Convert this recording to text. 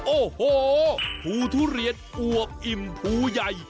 โอ้โหภูทุเรียนอวบอิ่มภูใหญ่